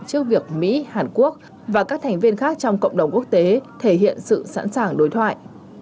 trước việc mỹ hàn quốc và các thành viên khác trong cộng đồng quốc tế thể hiện sự sẵn sàng đối thoại